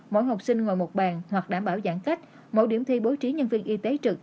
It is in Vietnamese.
mỗi học sinh ngồi một bàn hoặc đảm bảo giãn cách mỗi điểm thi bố trí nhân viên y tế trực